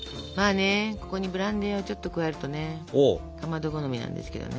ここにブランデーをちょっと加えるとねかまど好みなんですけどね。